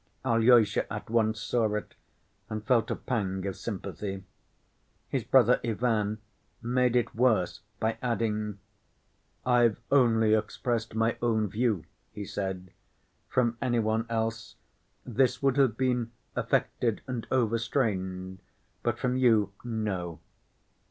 Alyosha at once saw it and felt a pang of sympathy. His brother Ivan made it worse by adding: "I've only expressed my own view," he said. "From any one else, this would have been affected and overstrained, but from you—no.